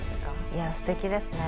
いやすてきですね。